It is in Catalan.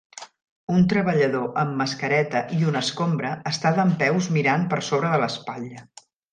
Un treballador amb mascareta i una escombra està dempeus mirant per sobre de l'espatlla.